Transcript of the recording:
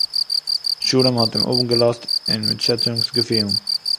שלום האט אים אפגעלאזט און מיט שעצונגס געפילען